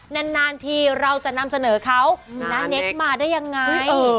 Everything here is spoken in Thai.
นานทีเราจะนำเสนอเขาน้าเนคมาได้ยังไง